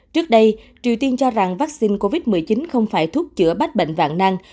trước đây triều tiên cho rằng vaccine covid một mươi chín không phải thuốc chữa bách bệnh vạn năng